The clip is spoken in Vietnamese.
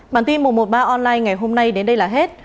bản tin một trăm một mươi ba online ngày hôm nay đến đây là hết